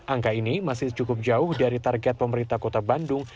angka ini masih cukup jauh dari target pemerintah kota bandung